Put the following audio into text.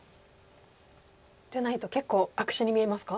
じゃないと結構悪手に見えますか？